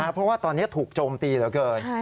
เพราะว่าตอนนี้ถูกโจมตีเหลือเกิน